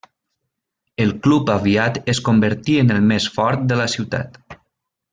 El club aviat en convertí en el més fort de la ciutat.